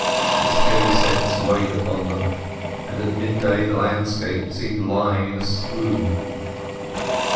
Its heavy scents weighed upon them, and at mid day the landscape seemed lying in a swoon.